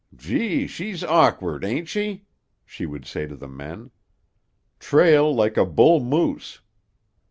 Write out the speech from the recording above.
"Gee, she's awkward, ain't she?" she would say to the men; "trail like a bull moose!"